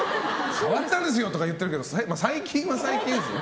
変わったんですよとか言ってるけど最近は最近ですね。